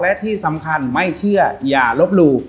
และที่สำคัญไม่เชื่ออย่าลบหลู่